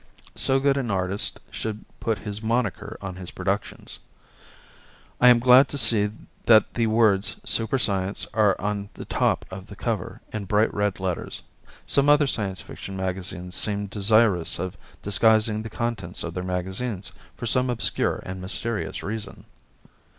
So good an artist should put his "moniker" on his productions. I am glad to see that the words "Super Science" are on the top of the cover in bright red letters; some other Science Fiction magazines seem desirous of disguising the contents of their magazines for some obscure and mysterious reason.